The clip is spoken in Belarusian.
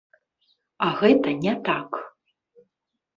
А гэта не так.